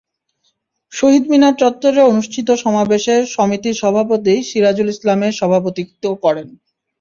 শহীদ মিনার চত্বরে অনুষ্ঠিত সমাবেশে সমিতির সভাপতি সিরাজুল ইসলামের সভাপতিত্ব করেন।